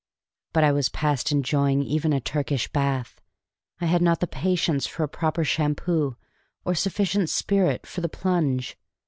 But I was past enjoying even a Turkish bath. I had not the patience for a proper shampoo, or sufficient spirit for the plunge.